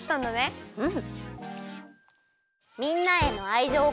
うん！